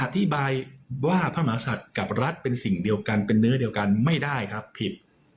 อธิบายว่าพระมหาศัตริย์กับรัฐเป็นสิ่งเดียวกันเป็นเนื้อเดียวกันไม่ได้ครับผิด